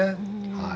はい。